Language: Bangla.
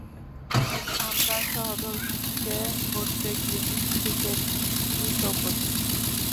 আমরা সহধর্মিণীকে গড়তে গিয়ে স্ত্রীকে বিকৃত করি।